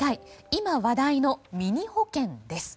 今話題のミニ保険です。